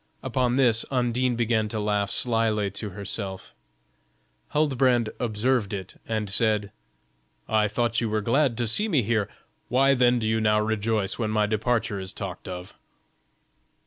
Upon this Undine began to laugh slyly to herself; Huldbrand observed it, and said: "I thought you were glad to see me here; why then do you now rejoice when my departure is talked of?"